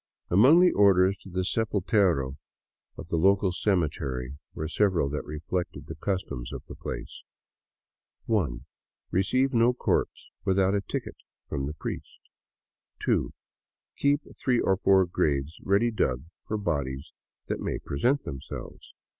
Among the orders to the sepultero of the local cemetery were sev eral that reflected the customs of the place :" I. Receive no corpse without a ticket from a priest. 2. Keep three or four graves ready dug for bodies that may present themselves.